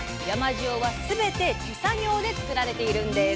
塩は全て手作業でつくられているんです。